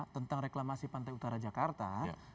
tentang reklamasi pantai utara jakarta